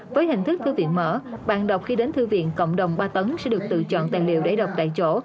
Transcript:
với hình thức thư viện mở bạn đọc khi đến thư viện cộng đồng ba tấn sẽ được tự chọn tài liệu để đọc tại chỗ